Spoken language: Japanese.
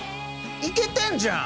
イケてんじゃん！